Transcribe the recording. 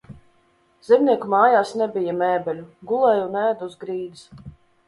Zemnieku mājās nebija mēbeļu, gulēja un ēda uz grīdas.